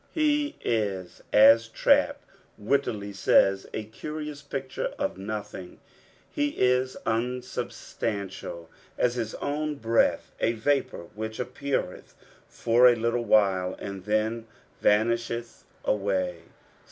He is as Trapp wittily aaya " a curious picture of nothing." He is unauhstantisl as his own breath, a. vapour which appeareth for a little while, and then VHnisheth awaj.